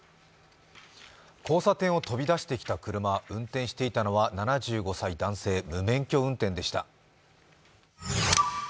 交差点を飛び出してきた車運転していたのは７５歳男性無免許運転でした。